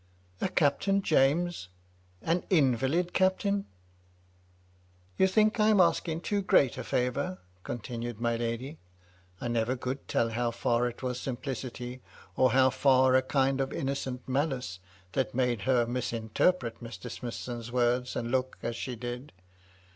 '*" A Captain James ' an invalid captain I" " You think I am asking too great a favour," con tinued my lady. (I never could tell how far it was simplicity, or how far a kind of innocent malice, that made her misinterpret Mr. Smithson's words and looks as she did.)